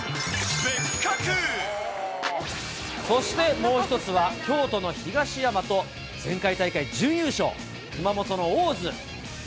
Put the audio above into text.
そしてもう一つは、京都の東山と、前回大会準優勝、熊本の大津。